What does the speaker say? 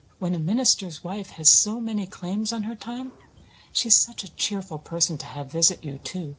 When a minister's wife has so many claims on her time! She is such a cheerful person to have visit you, too.